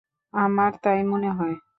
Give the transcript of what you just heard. আমার তাই মনে হয়।